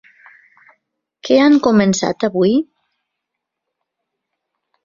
Què han començat avui?